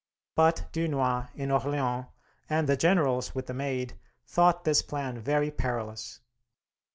But Dunois in Orleans, and the generals with the Maid, thought this plan very perilous.